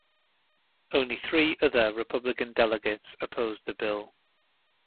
Only three other Republican Delegates opposed the bill.